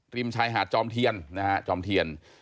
ริมชายหาดจอมเทียนนะฮะจอมเทียน